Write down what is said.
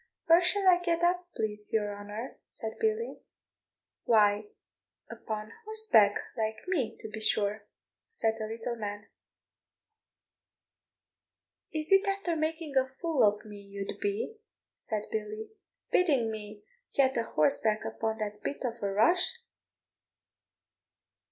"Where shall I get up, please your honour?" said Billy. "Why, upon horseback, like me, to be sure," said the little man. "Is it after making a fool of me you'd be," said Billy, "bidding me get a horseback upon that bit of a rush?